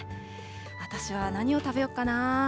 私は何を食べようかな。